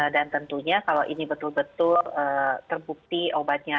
dan tentunya kalau ini betul betul terbukti obatnya